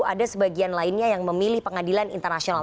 ada sebagian lainnya yang memilih pengadilan internasional